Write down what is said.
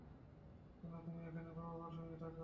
সোনা, তুমি এখানে বাবা-মার সঙ্গে থাকো।